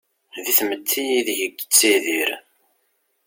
Di tmetti ideg-i yettidir.